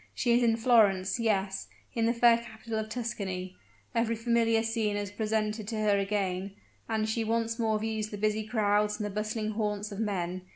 She is in Florence yes, in the fair capital of Tuscany. Every familiar scene is presented to her again; and she once more views the busy crowds and the bustling haunts of men.